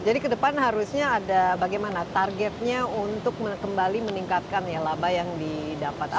jadi kedepan harusnya ada bagaimana targetnya untuk kembali meningkatkan ya laba yang didapat apakah ada target target nya